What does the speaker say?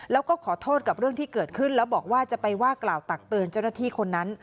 แล้วก็ขอโทษกับเรื่องที่เกิดขึ้นแล้วบอกว่าจะไปว่ากล่าวตักเตือนเจ้าหน้าที่คนนั้น